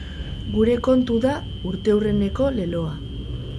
Gure kontu da urteurreneko leloa.